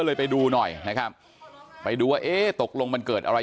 ไปดูหน่อยนะครับไปดูว่าเอ๊ะตกลงมันเกิดอะไร